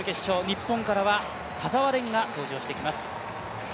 日本からは田澤廉が登場してきます。